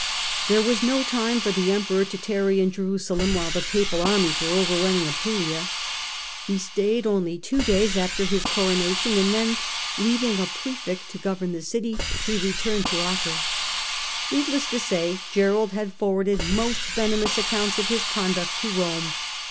There was no time for the Emperor to tarry in Jeru salem while the Papal armies were overrunning Apulia. He stayed only two days after his Coronation and then, leaving a Prefect to govern the city, he returned to Acre. Needless to say, Gerold had forwarded most venomous accounts of his conduct to Rome.